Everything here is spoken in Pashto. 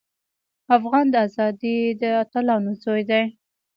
افغان د ازادۍ د اتلانو زوی دی.